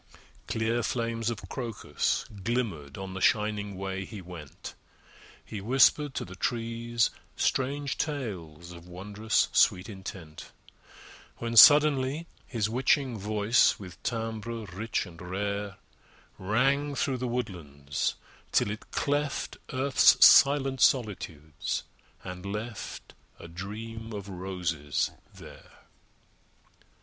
Clear flames of Crocus glimmered on The shining way he went. He whispered to the trees strange tales Of wondrous sweet intent, When, suddenly, his witching voice With timbre rich and rare, Rang through the woodlands till it cleft Earth's silent solitudes, and left A Dream of Roses there!